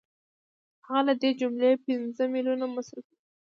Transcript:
هغه له دې جملې پنځه میلیونه مصرفوي